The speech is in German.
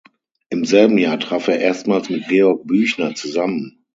Im selben Jahr traf er erstmals mit Georg Büchner zusammen.